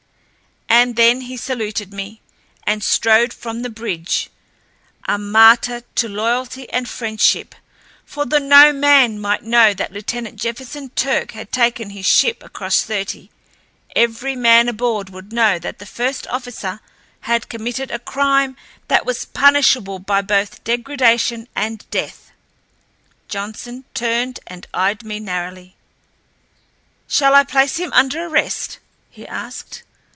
And then he saluted me, and strode from the bridge, a martyr to loyalty and friendship, for, though no man might know that Lieutenant Jefferson Turck had taken his ship across thirty, every man aboard would know that the first officer had committed a crime that was punishable by both degradation and death. Johnson turned and eyed me narrowly. "Shall I place him under arrest?" he asked.